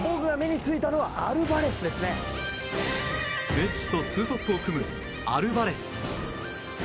メッシと２トップを組むアルバレス。